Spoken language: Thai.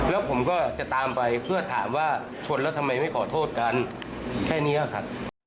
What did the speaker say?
แล้วผมก็จะตามไปเพื่อถามว่าชนแล้วทำไมไม่ขอโทษกันแค่นี้ครับ